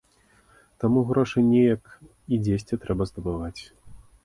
Таму грошы неяк і дзесьці трэба здабываць.